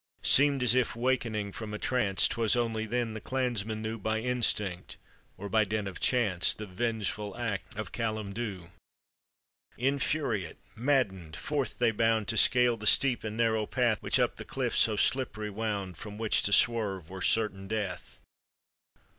Seem'd as if wakening from a trance, 'Twas only then, the clansmen knew By instinct, or by dint of chance, The vengeful act of Callum Dhu. Infuriate, madden'd, forth they bound To scale the steep and narrow path, Which up the cliff so slippery wound, Worn which to swerve were certain death.